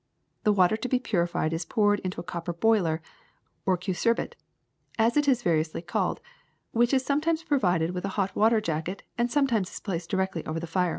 The water to be purified is poured into a copper boiler, or alembic, or cucurbit, as it is variously called, which is some times provided with a hot water jacket, and sometimes is placed directly over the fire.